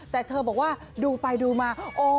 แต่เธอบอกว่าดูไปดูมา